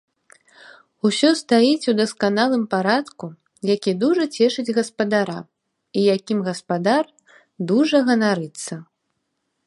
Усё стаіць у дасканалым парадку, які дужа цешыць гаспадара і якім гаспадар дужа ганарыцца.